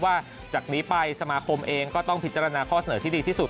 ว่าจากนี้ไปสมาคมเองก็ต้องพิจารณาข้อเสนอที่ดีที่สุด